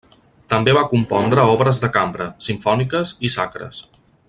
També va compondre obres de cambra, simfòniques i sacres.